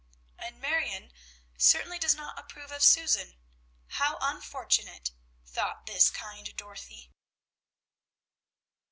"And Marion certainly does not approve of Susan. How unfortunate!" thought this kind Dorothy.